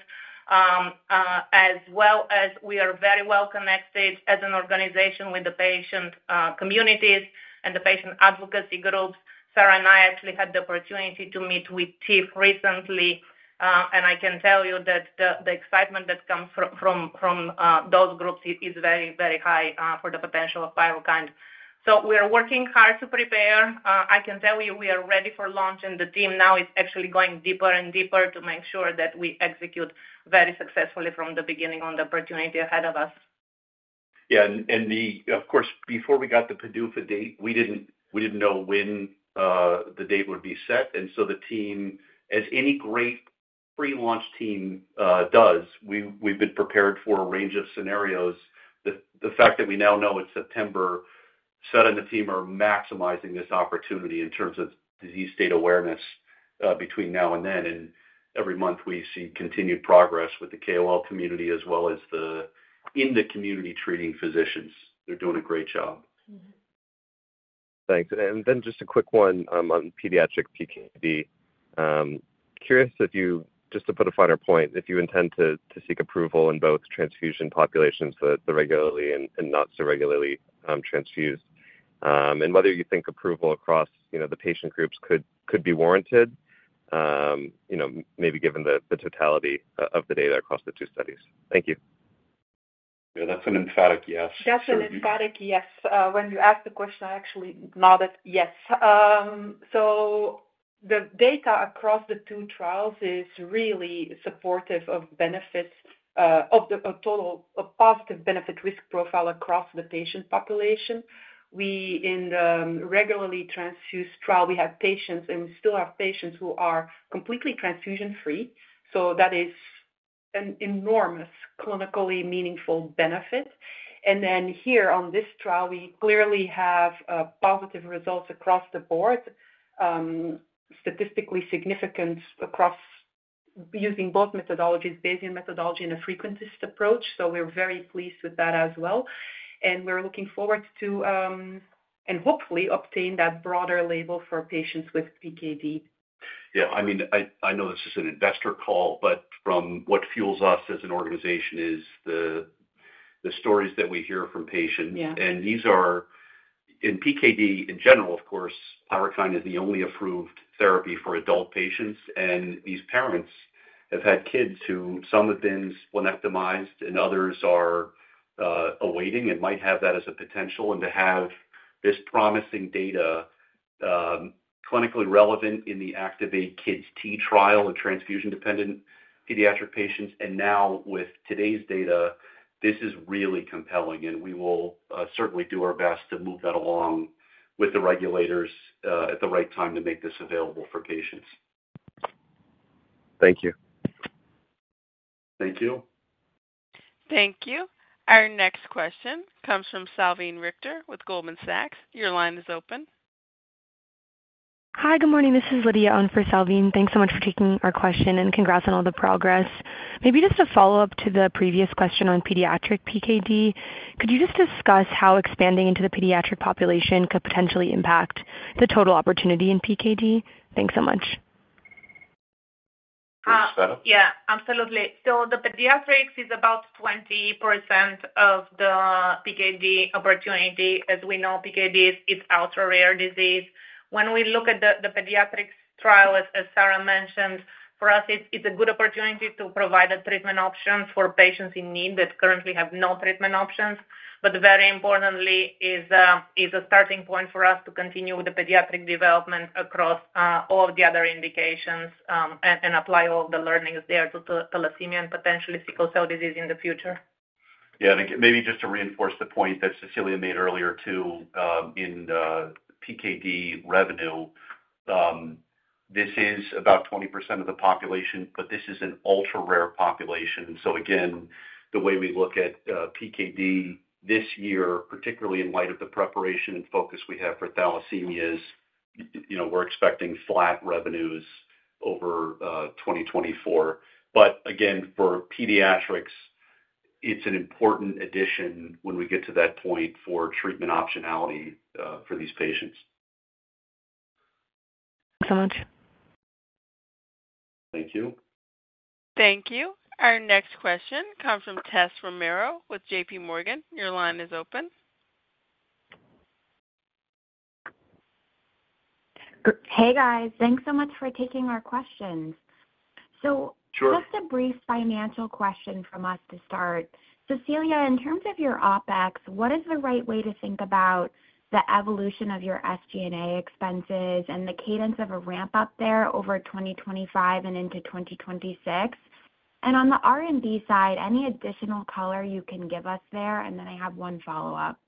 as well as we are very well connected as an organization with the patient communities and the patient advocacy groups. Sarah and I actually had the opportunity to meet with TIF recently, and I can tell you that the excitement that comes from those groups is very, very high for the potential of Pyrukynd. So we are working hard to prepare. I can tell you we are ready for launch, and the team now is actually going deeper and deeper to make sure that we execute very successfully from the beginning on the opportunity ahead of us. Yeah. And of course, before we got the PDUFA date, we didn't know when the date would be set. And so the team, as any great pre-launch team does, we've been prepared for a range of scenarios. The fact that we now know it's September, Tsveta and the team are maximizing this opportunity in terms of disease state awareness between now and then. And every month, we see continued progress with the KOL community as well as the in-the-community treating physicians. They're doing a great job. Thanks. And then just a quick one on pediatric PKD. Curious, just to put a finer point, if you intend to seek approval in both transfusion populations, the regularly and not so regularly transfused, and whether you think approval across the patient groups could be warranted, maybe given the totality of the data across the two studies. Thank you. Yeah. That's an emphatic yes. That's an emphatic yes. When you asked the question, I actually nodded yes, so the data across the two trials is really supportive of benefits, of a positive benefit-risk profile across the patient population. In the regularly transfused trial, we have patients, and we still have patients who are completely transfusion-free, so that is an enormous clinically meaningful benefit, and then here on this trial, we clearly have positive results across the board, statistically significant across using both methodologies, Bayesian methodology and a frequentist approach, so we're very pleased with that as well, and we're looking forward to and hopefully obtain that broader label for patients with PKD. Yeah. I mean, I know this is an investor call, but from what fuels us as an organization is the stories that we hear from patients. In PKD in general, of course, Pyrukynd is the only approved therapy for adult patients. These parents have had kids who some have been splenectomized, and others are awaiting and might have that as a potential. To have this promising data clinically relevant in the ACTIVATE-Kids trial of transfusion-dependent pediatric patients, and now with today's data, this is really compelling. We will certainly do our best to move that along with the regulators at the right time to make this available for patients. Thank you. Thank you. Thank you. Our next question comes from Salveen Richter with Goldman Sachs. Your line is open. Hi, good morning. This is Lydia on for Salveen. Thanks so much for taking our question and congrats on all the progress. Maybe just a follow-up to the previous question on pediatric PKD, could you just discuss how expanding into the pediatric population could potentially impact the total opportunity in PKD? Thanks so much. Yeah. Absolutely. So the pediatrics is about 20% of the PKD opportunity. As we know, PKD is an ultra-rare disease. When we look at the pediatrics trial, as Sarah mentioned, for us, it's a good opportunity to provide a treatment option for patients in need that currently have no treatment options. But very importantly, it's a starting point for us to continue with the pediatric development across all of the other indications and apply all the learnings there to thalassemia and potentially sickle cell disease in the future. Yeah. And maybe just to reinforce the point that Cecilia made earlier too in PKD revenue, this is about 20% of the population, but this is an ultra-rare population. So again, the way we look at PKD this year, particularly in light of the preparation and focus we have for thalassemias, we're expecting flat revenues over 2024. But again, for pediatrics, it's an important addition when we get to that point for treatment optionality for these patients. Thanks so much. Thank you. Thank you. Our next question comes from Tessa Romero with JPMorgan. Your line is open. Hey, guys. Thanks so much for taking our questions. So just a brief financial question from us to start. Cecilia, in terms of your OpEx, what is the right way to think about the evolution of your SG&A expenses and the cadence of a ramp-up there over 2025 and into 2026? And on the R&D side, any additional color you can give us there? And then I have one follow-up.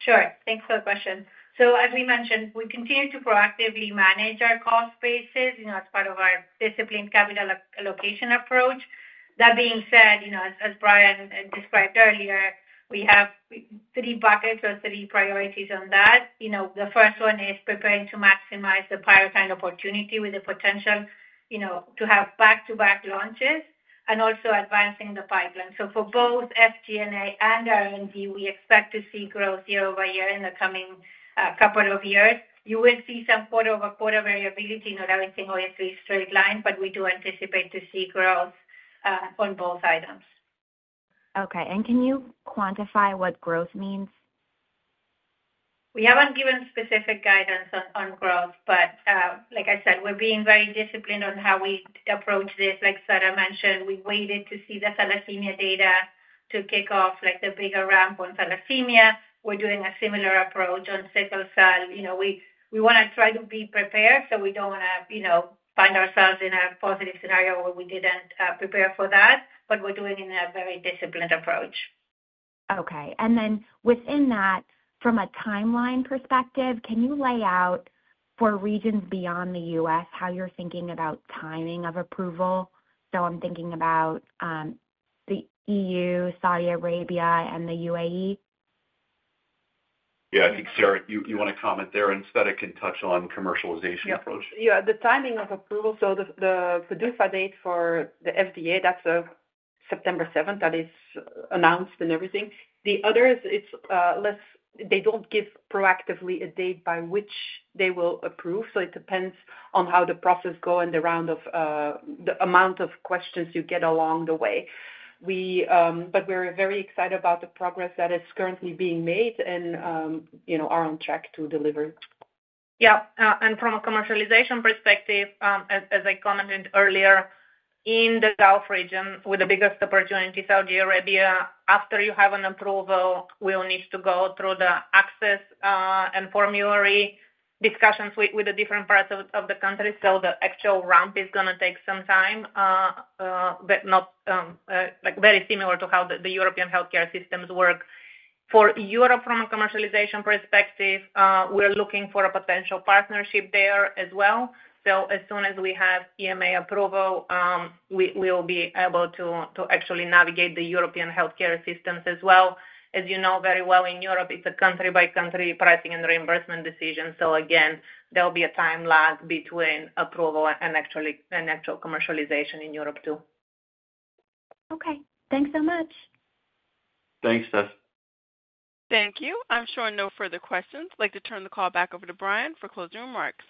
Sure. Thanks for the question. So as we mentioned, we continue to proactively manage our cost basis as part of our disciplined capital allocation approach. That being said, as Brian described earlier, we have three buckets or three priorities on that. The first one is preparing to maximize the Pyrukynd opportunity with the potential to have back-to-back launches and also advancing the pipeline. So for both SG&A and R&D, we expect to see growth year over year in the coming couple of years. You will see some quarter-over-quarter variability. Not everything always is straight line, but we do anticipate to see growth on both items. Okay, and can you quantify what growth means? We haven't given specific guidance on growth, but like I said, we're being very disciplined on how we approach this. Like Sarah mentioned, we waited to see the thalassemia data to kick off the bigger ramp on thalassemia. We're doing a similar approach on sickle cell. We want to try to be prepared so we don't want to find ourselves in a positive scenario where we didn't prepare for that, but we're doing it in a very disciplined approach. Okay. And then within that, from a timeline perspective, can you lay out for regions beyond the U.S. how you're thinking about timing of approval? So I'm thinking about the EU, Saudi Arabia, and the UAE. Yeah. I think, Sarah, you want to comment there and Tsveta can touch on commercialization approach. Yeah. The timing of approval, so the PDUFA date for the FDA, that's September 7th that is announced and everything. The others, they don't give proactively a date by which they will approve. So it depends on how the process goes and the amount of questions you get along the way. But we're very excited about the progress that is currently being made and are on track to deliver. Yeah. And from a commercialization perspective, as I commented earlier, in the Gulf region with the biggest opportunity, Saudi Arabia, after you have an approval, we'll need to go through the access and formulary discussions with the different parts of the country. So the actual ramp is going to take some time, but very similar to how the European healthcare systems work. For Europe, from a commercialization perspective, we're looking for a potential partnership there as well. So as soon as we have EMA approval, we'll be able to actually navigate the European healthcare systems as well. As you know very well, in Europe, it's a country-by-country pricing and reimbursement decision. So again, there'll be a time lag between approval and actual commercialization in Europe too. Okay. Thanks so much. Thanks, Tess. Thank you. I'm sure no further questions. I'd like to turn the call back over to Brian for closing remarks.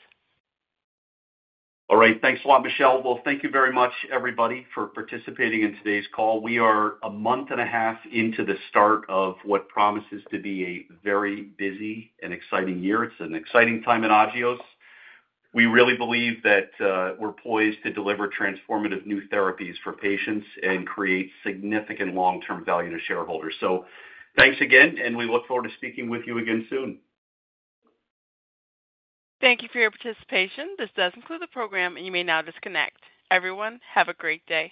All right. Thanks a lot, Michelle. Well, thank you very much, everybody, for participating in today's call. We are a month and a half into the start of what promises to be a very busy and exciting year. It's an exciting time in Agios. We really believe that we're poised to deliver transformative new therapies for patients and create significant long-term value to shareholders. So thanks again, and we look forward to speaking with you again soon. Thank you for your participation. This does conclude the program, and you may now disconnect. Everyone, have a great day.